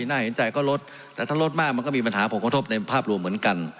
น่าเห็นใจก็ลดแต่ถ้าลดมากมันก็มีปัญหาผลกระทบในภาพรวมเหมือนกัน